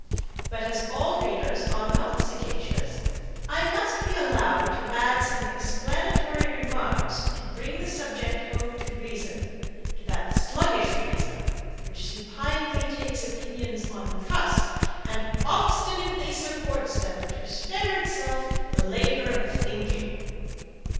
But, as all readers are not sagacious, I must be allowed to add some explanatory remarks to bring the subject home to reason to that sluggish reason, which supinely takes opinions on trust, and obstinately supports them to spare itself the labour of thinking.